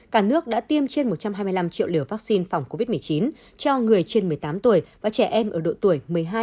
cả nước đã tiêm trên một trăm hai mươi năm triệu liều vaccine phòng covid một mươi chín cho người trên một mươi tám tuổi và trẻ em ở độ tuổi một mươi hai